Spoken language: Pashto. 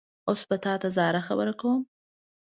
اوس به تا ته زه هره خبره کومه؟